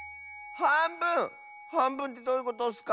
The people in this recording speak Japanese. はんぶんってどういうことッスか？